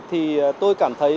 thì tôi cảm thấy